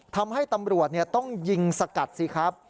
ทำให้ตำรวจต้องยิงสกัดสิครับ